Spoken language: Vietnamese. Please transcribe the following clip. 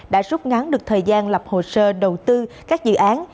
đã rút ngắn được thời gian lập hồ sơ đầu tư các dự án